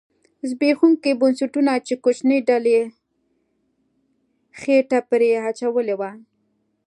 زبېښوونکو بنسټونو چې کوچنۍ ډلې خېټه پرې اچولې وه